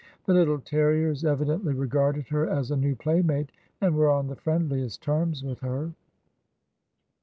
The little terriers evidently regarded her as a new playmate, and were on the friendliest terms with her.